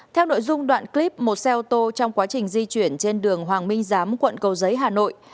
theo nội dung đoạn clip một xe ô tô trong quá trình di chuyển trên đường hoàng minh giám quận cầu giấy hà nội